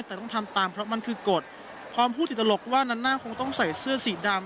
แต่ต้องทำตามเพราะมันคือกฎพร้อมพูดติดตลกว่านั้นน่าคงต้องใส่เสื้อสีดำ